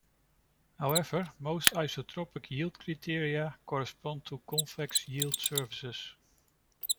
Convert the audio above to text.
However, most isotropic yield criteria correspond to convex yield surfaces.